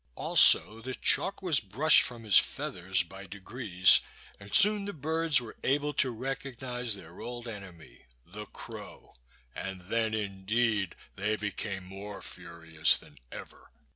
Also, the chalk was brushed from his feathers, by degrees, and soon the birds were able to recognize their old enemy the crow, and then, indeed, they became more furious than ever.